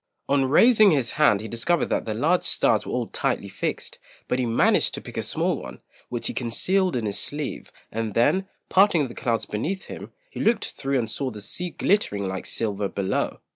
On raising his hand he discovered that the large stars were all tightly fixed; but he managed to pick a small one, which he concealed in his sleeve; and then, parting the clouds beneath him, he looked through and saw the sea glittering like silver below.